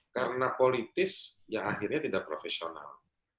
karena politis ya akhirnya tidak profesional